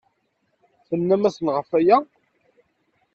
Tennam-asen ɣef waya?